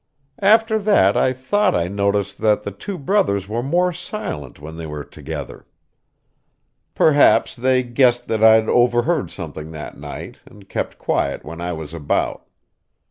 After that I thought I noticed that the two brothers were more silent when they were together. Perhaps they guessed that I had overheard something that night, and kept quiet when I was about.